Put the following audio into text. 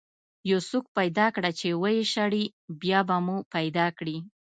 یو څوک پیدا کړه چې ويې شړي، بیا به مو پیدا کړي.